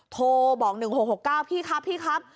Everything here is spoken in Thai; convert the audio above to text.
โทรบอกหนึ่งหกหกเก้าพี่ครับพี่ครับ